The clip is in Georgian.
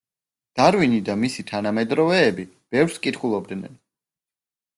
დარვინი და მისი თანამედროვეები ბევრს კითხულობდნენ.